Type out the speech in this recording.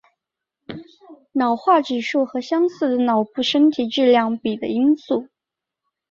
脑化指数和相似的脑部身体质量比的因素。